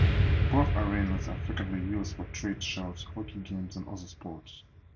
Both arenas are frequently used for trade shows, hockey games and other sports.